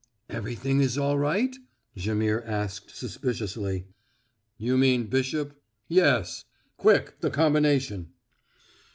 "Everything is all right?" Jaimihr asked suspiciously. "You mean Bishop? Yes. Quick, the combination!"